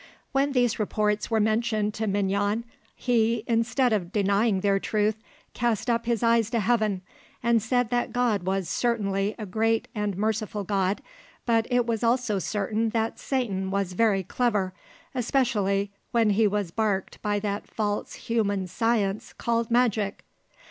When these reports were mentioned to Mignon, he, instead of denying their truth, cast up his eyes to heaven and said that God was certainly a great and merciful God, but it was also certain that Satan was very clever, especially when he was barked by that false human science called magic.